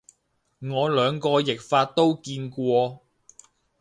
我兩個譯法都見過